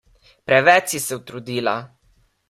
Preveč si se utrudila!